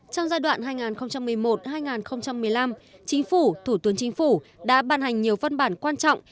trong giai đoạn hai nghìn một mươi một hai nghìn một mươi năm chính phủ thủ tướng chính phủ đã ban hành nhiều văn bản quan trọng